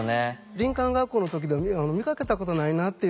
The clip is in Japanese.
林間学校の時見かけたことないなっていう